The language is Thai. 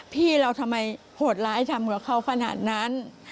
พี่เราทำไมโหดร้ายทำกับเขาขนาดนั้น